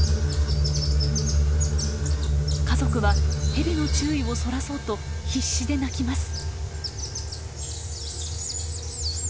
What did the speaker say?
家族はヘビの注意をそらそうと必死で鳴きます。